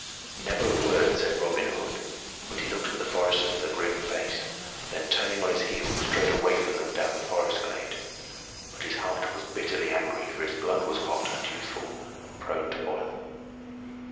Never a word said Robin Hood, but he looked at the foresters with a grim face; then, turning on his heel, strode away from them down the forest glade. But his heart was bitterly angry, for his blood was hot and youthful and prone to boil.